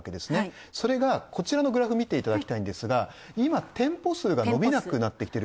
それがこちらのグラフ見ていただくと今、店舗数が伸びなくなっている。